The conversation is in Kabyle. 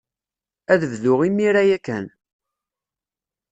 Ad bduɣ imir-a ya kan.